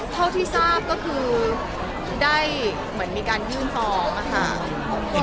เท่าที่ทราบก็คือได้เหมือนมีการยื่นฟ้องค่ะ